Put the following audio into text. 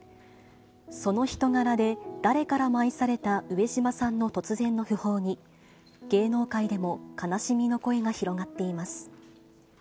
その人柄で、誰からも愛された上島さんの突然の訃報に、芸能界でも悲しみの声が広がっています。